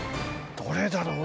どれだろう？